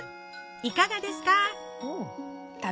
いかがですか？